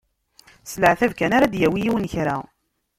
S leεtab kan ara d-yawi yiwen kra.